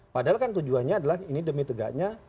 padahal kan tujuannya adalah ini demi tegaknya